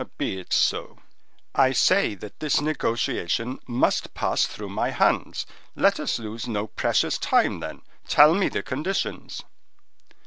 "Be it so. I say that this negotiation must pass through my hands. Let us lose no precious time, then. Tell me the conditions."